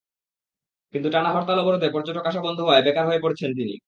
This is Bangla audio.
কিন্তু টানা হরতাল–অবরোধে পর্যটক আসা বন্ধ হওয়ায় বেকার হয়ে পড়েছেন তিনি।